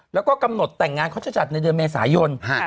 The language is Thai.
แล้วก็กำหนดแต่งงานเขาจะจัดในเดือนเมษายน